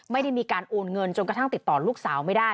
ไม่ได้มีการโอนเงินจนกระทั่งติดต่อลูกสาวไม่ได้